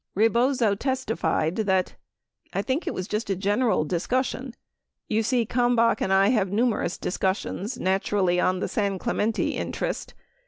Rebozo testified that: I think it was just a general discussion. You see, Kalm bach and I have numerous discussions, naturally on the San Clemente interest.